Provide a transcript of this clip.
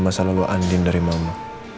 masalah lo andin dari mama